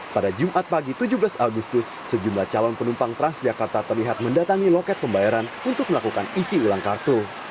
pada jumat pagi tujuh belas agustus sejumlah calon penumpang transjakarta terlihat mendatangi loket pembayaran untuk melakukan isi ulang kartu